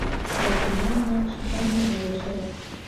Сәкинә уны шифоньерға йәшерә.